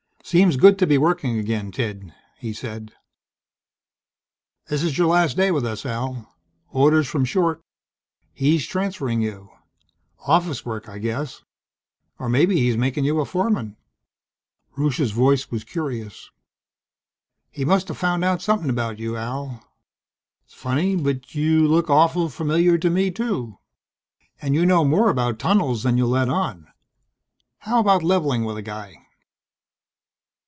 "Seems good to be working again, Ted," he said. "This's your last day with us, Al. Orders from Short. He's transferring you. Office work I guess, or maybe he's making you a foreman." Rusche's voice was curious. "He musta found out something about you, Al. S'funny but you look awful familiar to me too. And you know more about tunnels than you let on. How about leveling with a guy?"